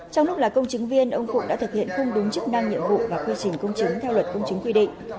trong lúc là công chứng viên ông phụng đã thực hiện không đúng chức năng nhiệm vụ và quy trình công chứng theo luật công chứng quy định